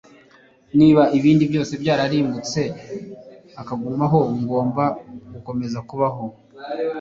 Niba ibindi byose byararimbutse akagumaho, ngomba gukomeza kubaho;